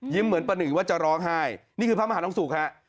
ยิ้มเหมือนประหนึ่งว่าจะร้องไห้นี่คือพระมหานักศูกร์ครับ